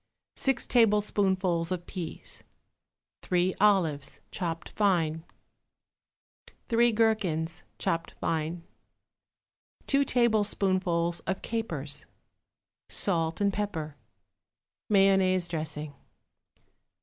6 tablespoonfuls of peas. 3 olives, chopped fine. 3 gherkins, chopped fine. 2 tablespoonfuls of capers. Salt and pepper. Mayonnaise dressing.